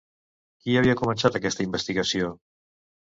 Qui havia començat aquesta investigació?